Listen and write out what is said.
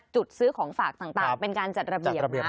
ซื้อของฝากต่างเป็นการจัดระเบียบนะ